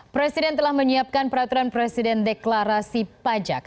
presiden telah menyiapkan peraturan presiden deklarasi pajak